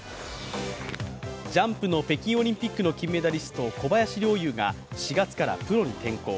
ジャンプの北京オリンピックの金メダリスト、小林陵侑が４月からプロに転向。